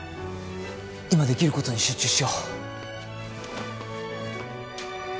今できる事に集中しよう。